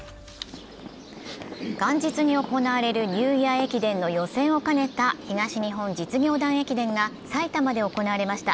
元日に行われるニューイヤー駅伝の予選を兼ねた東日本実業団駅伝が埼玉で行われました。